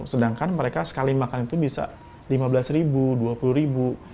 sedangkan mereka sekali makan itu bisa lima belas ribu dua puluh ribu